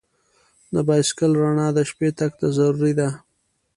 د بایسکل رڼا د شپې تګ ته ضروري ده.